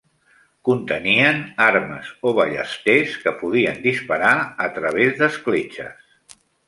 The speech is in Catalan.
Contenien armes o ballesters que podien disparar a través d'escletxes.